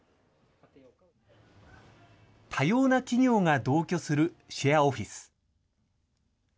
多様な企業が同居するシェアオフィス。